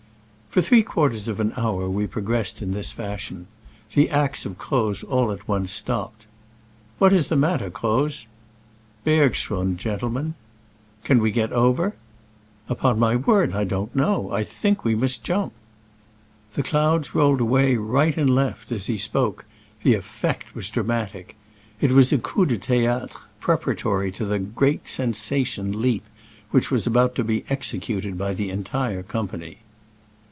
For three quarters of an hour we pro gressed in this fashion. The axe of Croz all at once stopped. "What is the matter, Croz?" Bergschrund, gentle men." "Can we get over?" "Upon my word, I don't know : I think we must jump." The clouds rolled away right and left as he spoke. The effect was dramatic. It was a coup de theatre ^ preparatory to the "great sensation leap " which was about to be executed by the entire company.